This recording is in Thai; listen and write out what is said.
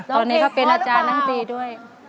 ตอนนี้ก็เป็นอาจารย์นักตีด้วย